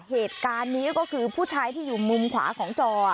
เหตุการณ์นี้ก็คือผู้ชายที่อยู่มุมขวาของจอ